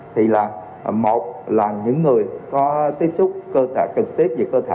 thì là một là những người có tiếp xúc trực tiếp với cơ thể